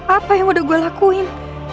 apa yang udah gue lakuin